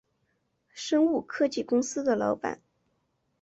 生物科技公司的老板